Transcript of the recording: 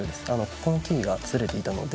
ここのキーがずれていたので。